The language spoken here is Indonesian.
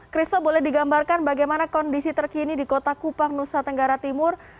kristo boleh digambarkan bagaimana kondisi terkini di kota kupang nusa tenggara timur